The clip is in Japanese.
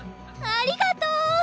ありがとう！